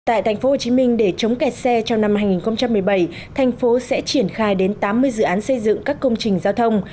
tại tp hcm để chống kẹt xe trong năm hai nghìn một mươi bảy thành phố sẽ triển khai đến tám mươi dự án xây dựng các công trình giao thông